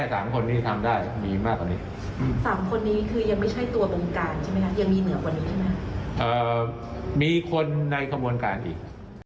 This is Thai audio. เอ่อมีคนในขบวนการอีก